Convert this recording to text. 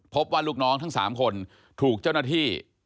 พบว่าลูกน้องทั้ง๓คนถูกเจ้าหน้าที่